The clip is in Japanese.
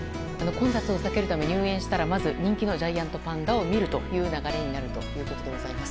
混雑を避けるため入園したらまず人気のジャイアントパンダを見るという流れになるそうです。